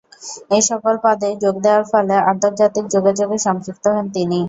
এ সকল পদে যোগ দেয়ার ফলে আন্তর্জাতিক যোগাযোগে সম্পৃক্ত হন তিনি।